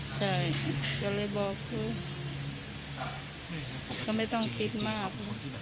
ใช่ก็เลยบอกครูก็ไม่ต้องคิดมาก